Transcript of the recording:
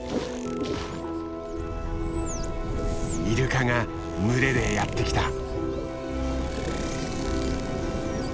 イルカが群れでやって来た。